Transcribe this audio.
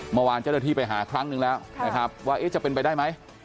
เมื่อวานเจ้าหน้าที่ไปหาครั้งนึงแล้วนะครับว่าจะเป็นไปได้ไหม